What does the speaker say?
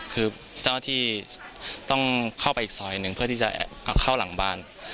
คือเจ้าหน้าที่ต้องเข้าไปอีกซอยหนึ่งเพื่อที่จะเอาเข้าหลังบ้าน